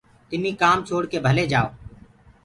تمي ڪآم ڇوڙ ڪي ڀلي جآئو۔